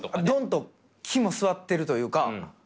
どんと肝据わってるというか。